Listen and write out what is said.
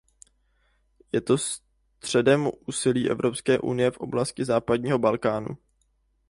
Je to středem úsilí Evropské unie v oblasti západního Balkánu.